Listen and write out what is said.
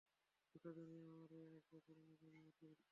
গোটা দুনিয়া আমার এই আসবাবের অনুগামী ও অতিরিক্ত।